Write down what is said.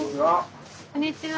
こんにちは。